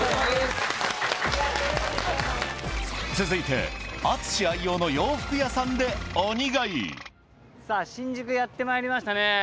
続いて淳愛用の洋服屋さんで鬼買いさあ新宿やってまいりましたね